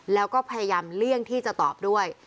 แล้วก็พยายามเลี่ยงที่จะตอบด้วย